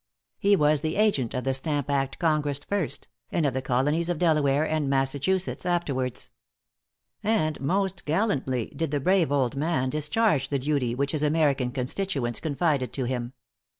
He was the Agent of the Stamp Act Congress first, and of the Colonies of Delaware and Massachusetts, afterwards. And most gallantly did the brave old man discharge the duty which his American constituents confided to him.